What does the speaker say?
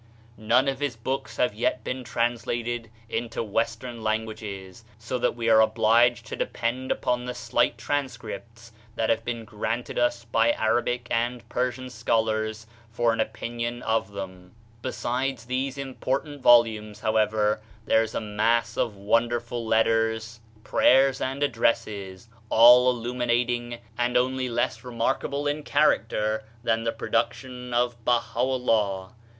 None of his books have yet been translated into western languages, so that we are obliged to depend upon the slight transcripts that have been granted us by Arabic and Persian scholars for an opinion of them. Besides these important volumes however, there is a mass of wonderful letters, prayers, 33 THE SHINING PATHWAY and addresses, all illuminating and only less remarkable in character than the production of Baha Ullah.